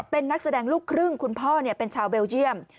เป็นนักแสดงลูกครึ่งคุณพ่อเป็นชาวเบลเยี่ยม